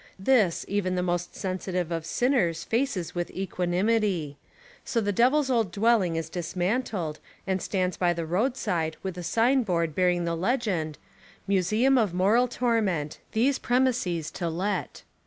This even the most sensitive of sinners faces with equanimity. So the Devil's old dwelling is dismantled and stands by the roadside with a sign board bearing the legend, "Museum of 41 Essays and Literary Studies Moral Torment, These Premises to Let."